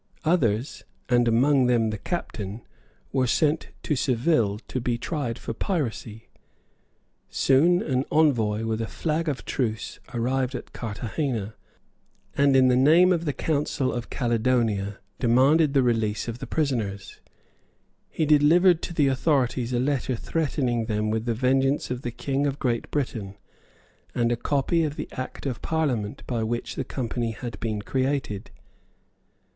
Others, and among them the captain, were sent to Seville to be tried for piracy. Soon an envoy with a flag of truce arrived at Carthagena, and, in the name of the Council of Caledonia, demanded the release of the prisoners. He delivered to the authorities a letter threatening them with the vengeance of the King of Great Britain, and a copy of the Act of Parliament by which the Company had been created.